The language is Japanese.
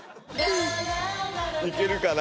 いけるかな？